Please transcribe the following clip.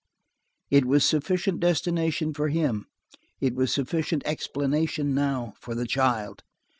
It was sufficient destination for him, it was sufficient explanation now for the child.